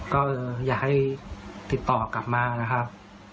ก็อยากให้ติดต่อกลับมานะครับ